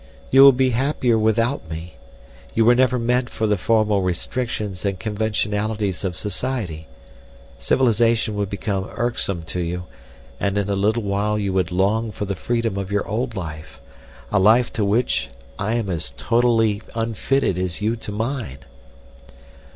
You will be happier without me. You were never meant for the formal restrictions and conventionalities of society—civilization would become irksome to you, and in a little while you would long for the freedom of your old life—a life to which I am as totally unfitted as you to mine."